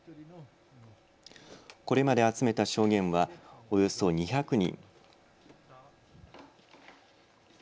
これまで集めた証言はおよそ２００人。